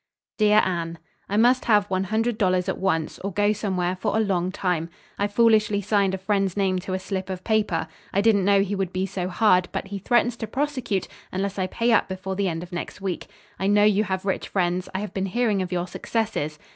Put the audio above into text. DEAR ANNE: I must have one hundred dollars at once, or go somewhere for a long time. I foolishly signed a friend's name to a slip of paper. I didn't know he would be so hard, but he threatens to prosecute unless I pay up before the end of next week. I know you have rich friends. I have been hearing of your successes.